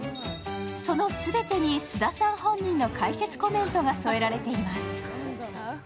その全てに菅田さん本人の解説コメントが添えられています。